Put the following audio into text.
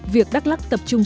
việc đắk lắc tập trung